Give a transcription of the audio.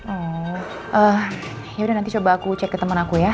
oh yaudah nanti coba aku cek ke temen aku ya